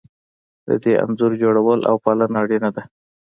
د دې انځور جوړول او پالنه اړینه ده.